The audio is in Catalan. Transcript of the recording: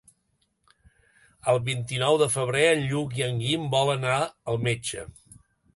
El vint-i-nou de febrer en Lluc i en Guim volen anar al metge.